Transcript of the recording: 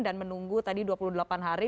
menunggu tadi dua puluh delapan hari